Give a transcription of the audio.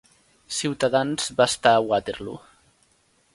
Ciutadans va estar a Waterloo